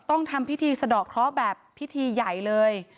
ต้องทำพิธีสะดอกเคราะห์แบบพิธีใหญ่เลย